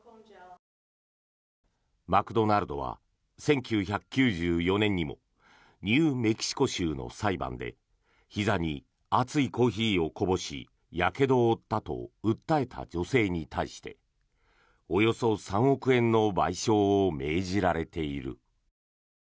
マクドナルドは１９９４年にもニューメキシコ州の裁判でひざに熱いコーヒーをこぼしやけどを負ったと訴えた女性に対しておよそ３億円の賠償を命じられている。